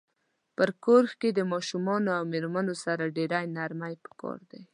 په کور کښی د ماشومانو او میرمنو سره ډیره نرمی پکار ده